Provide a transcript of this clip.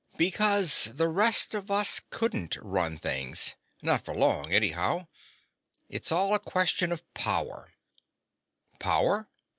"Because the rest of us couldn't run things. Not for long, anyhow. It's all a question of power." "Power?"